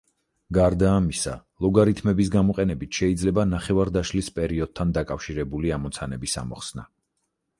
გარდა ამისა, ლოგარითმების გამოყენებით შეიძლება ნახევარდაშლის პერიოდთან დაკავშირებული ამოცანების ამოხსნა.